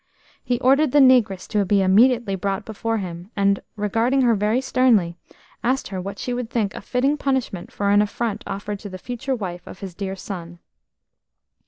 He ordered the negress to be immediately brought before him, and, regarding her very sternly, asked her what she would think a fitting punishment for an affront offered to the future wife of his dear son.